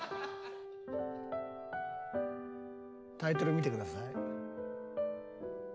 タイトル見てください。